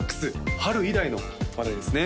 春以来の話題ですね